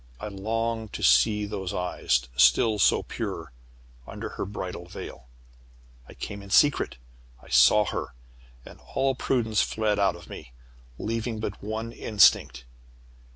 I longed to see those eyes, still so pure, under her bridal veil. "I came in secret! I saw her and all prudence fled out of me, leaving but one instinct.